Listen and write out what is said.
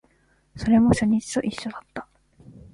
それも初日と一緒だった